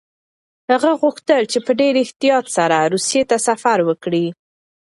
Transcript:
هغه غوښتل چې په ډېر احتیاط سره روسيې ته سفر وکړي.